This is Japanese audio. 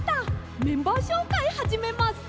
「メンバー紹介はじめます！」